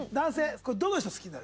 これどの人好きになる？